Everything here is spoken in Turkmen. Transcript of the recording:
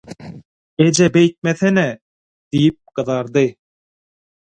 – Eje beýtmesene – diýip gyzardy.